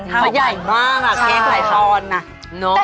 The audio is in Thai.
เก่งหายช่อน